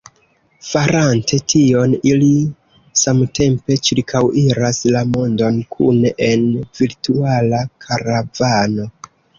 Farante tion, ili samtempe ĉirkaŭiras la mondon kune, en virtuala karavano.